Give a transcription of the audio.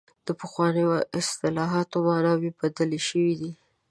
د پخوانیو اصطلاحاتو معناوې بدلې شوې دي.